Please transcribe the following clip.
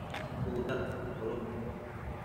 Bogotá, Colombia.